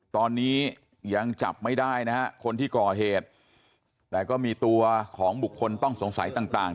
ตอนนี้ยังจับไม่ได้นะฮะคนที่ก่อเหตุแต่ก็มีตัวของบุคคลต้องสงสัยต่างต่าง